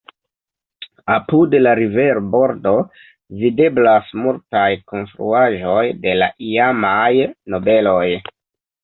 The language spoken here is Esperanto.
Apud la riverbordo videblas multaj konstruaĵoj de la iamaj nobeloj.